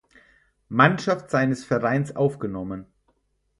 Mannschaft seines Vereins aufgenommen.